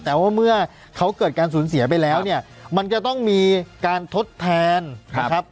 แต่ว่าเมื่อเขาเกิดการสูญเสียไปแล้วเนี่ยมันจะต้องมีการทดแทนนะครับ